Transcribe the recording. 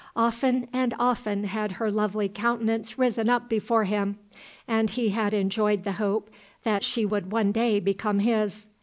Often and often had her lovely countenance risen up before him, and he had enjoyed the hope that she would one day become his.